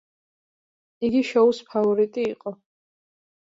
იგი შოუს ფავორიტი იყო.